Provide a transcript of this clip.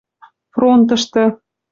фронтышты